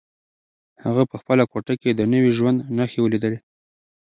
هغه په خپله کوټه کې د نوي ژوند نښې ولیدلې.